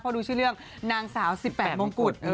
เพราะดูชื่อเรื่องนางสาว๑๘มงกุฎ